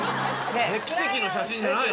奇跡の写真じゃないの？